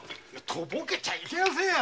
とぼけちゃいけませんよ。